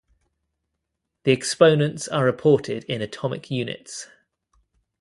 The exponents are reported in atomic units.